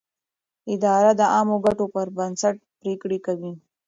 اداره د عامه ګټو پر بنسټ پرېکړې کوي.